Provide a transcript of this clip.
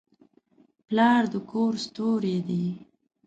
پلار د کور ستوری دی.